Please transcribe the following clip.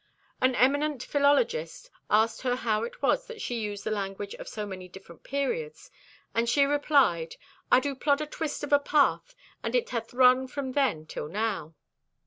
An eminent philologist asked her how it was that she used the language of so many different periods, and she replied: "I do plod a twist of a path and it hath run from then till now."